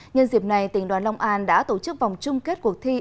nhân dịp này tỉnh đoàn long an đã tổ chức vòng chung kết cuộc thi